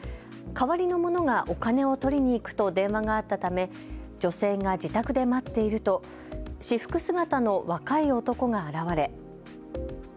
代わりの者がお金を取りに行くと電話があったため女性が自宅で待っていると私服姿の若い男が現れ。